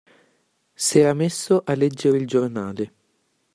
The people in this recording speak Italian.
S'era messo a leggere il giornale.